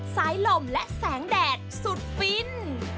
สายลมและแสงแดดสุดฟิน